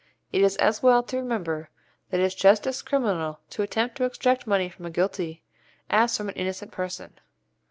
It is as well to remember that it is just as criminal to attempt to extract money from a guilty as from an innocent person.